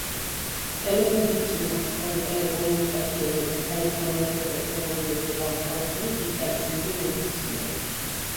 ტელემედიცინა, ანუ ტელეკომუნიკაციებზე და საინფორმაციო ტექნოლოგიებზე დამყარებული დისტანციური მედიცინა.